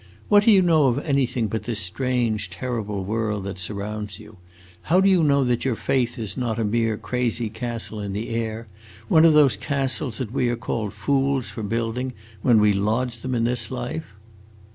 What do you know of anything but this strange, terrible world that surrounds you? How do you know that your faith is not a mere crazy castle in the air; one of those castles that we are called fools for building when we lodge them in this life?"